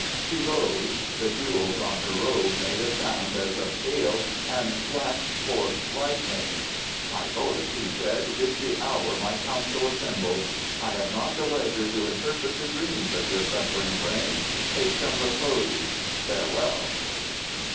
She rose; the jewels on her robe made a sound as of hail and flashed forth lightnings. "My lord," she said, "it is the hour my council assembles. I have not the leisure to interpret the dreams of your suffering brain. Take some repose. Farewell."